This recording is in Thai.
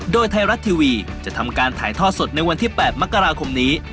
โดยไทยรัฐทีวีจะทำการถ่ายทอดสดในวันที่๘มกราคมนี้